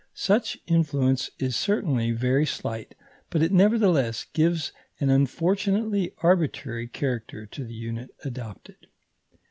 Such influence is certainly very slight, but it nevertheless gives an unfortunately arbitrary character to the unit adopted.